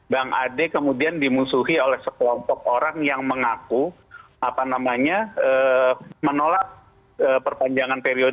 bang ade kemudian dimusuhi oleh sekelompok orang yang mengaku menolak perpanjangan periode